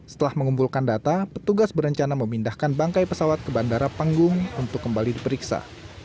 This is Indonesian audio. setelah mengumpulkan data petugas berencana memindahkan bangkai pesawat ke bandara panggung untuk kembali diperiksa